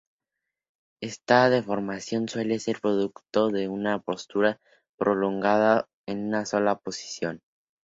Esta deformación suele ser producto de una postura prolongada en una sola posición.